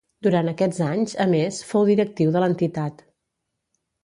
Durant aquests anys, a més, fou directiu de l'entitat.